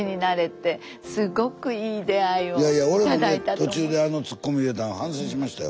途中であのツッコミを入れたん反省しましたよ。